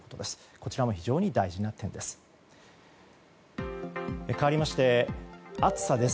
こちらも非常に大事な点です。